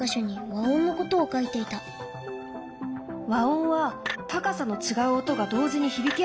和音は高さの違う音が同時に響き合う音だね。